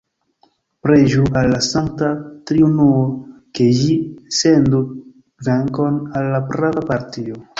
Preĝu al la Sankta Triunuo, ke Ĝi sendu venkon al la prava partio!